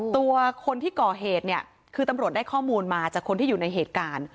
ตัวคนที่ก่อเหตุเนี่ยคือตำรวจได้ข้อมูลมาจากคนที่อยู่ในเหตุการณ์